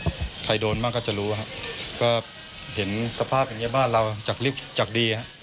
ก็ใครโดนมาก็จะรู้ครับก็เห็นสภาพอย่างนี้บ้านเราจากดีครับ